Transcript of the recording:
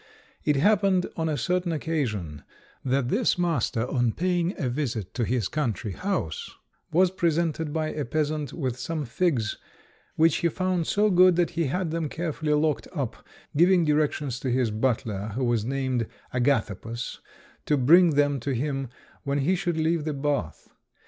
It happened, on a certain occasion, that this master, on paying a visit to his country house, was presented by a peasant with some figs, which he found so good that he had them carefully locked up, giving directions to his butler, who was named Agathopus, to bring them to him when he should leave the bath.